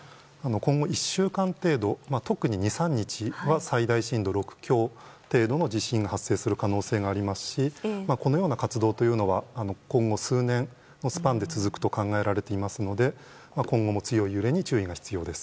今後１週間程度特に２３日は最大震度６強の地震が発生する可能性がありますしこのような活動は今後、数年のスパンで続くと考えられていますので今後も強い揺れに注意が必要です。